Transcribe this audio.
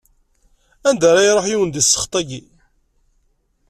Anda ara iruḥ yiwen deg ssexṭ-ayi!